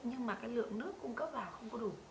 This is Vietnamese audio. nhưng mà cái lượng nước cung cấp vào không có đủ